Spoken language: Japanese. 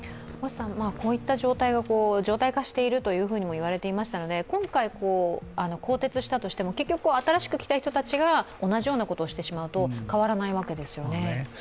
こういった状態が常態化していると言われていましたので、今回、更迭したとしても結局新しく来た人たちが同じようなことをしてしまうと変わらないわけですよね。